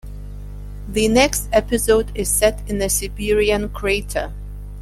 The next episode is set in a Siberian crater.